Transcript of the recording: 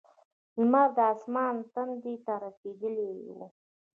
لمر د اسمان تندي ته رسېدلی و.